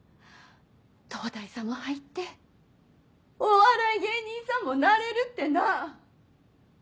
東大さも入ってお笑い芸人さんもなれるってな。